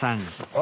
あ！